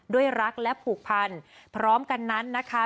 ด้วยรักและผูกพันพร้อมกันนั้นนะคะ